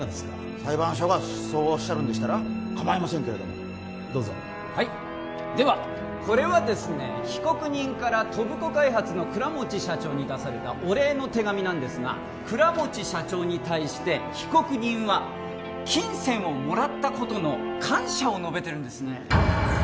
裁判所がそうおっしゃるんでしたら構いませんけれどもどうぞはいではこれはですね被告人から戸部子開発の倉持社長に出されたお礼の手紙なんですが倉持社長に対して被告人は金銭をもらったことの感謝を述べてるんですねえっ！？